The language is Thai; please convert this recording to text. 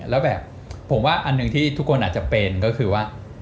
แล้วแบบผมว่าอันหนึ่งที่ทุกคนอาจจะเป็นก็คือว่า